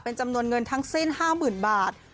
เป็นจำนวนเงินทั้งสิ้น๕๐๐๐บาท